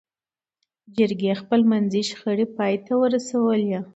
جرګې خپلمنځي شخړې پای ته ورسولې.